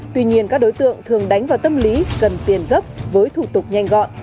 tuy nhiên các đối tượng thường đánh vào tâm lý cần tiền gấp với thủ tục nhanh gọn